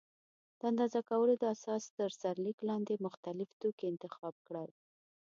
د اندازه کولو د اساس تر سرلیک لاندې مختلف توکي انتخاب کړل.